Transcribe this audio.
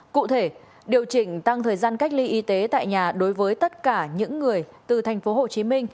cụ thể điều chỉnh tăng thời gian cách ly y tế tại nhà đối với tất cả những người từ tp hcm